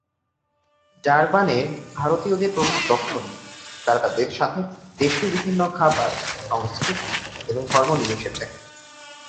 ডারবানে ভারতীয়দের প্রভাব লক্ষণীয়, তারা তাদের সাথে দেশীয় বিভিন্ন খাবার, সংস্কৃতি এবং ধর্ম নিয়ে এসেছে।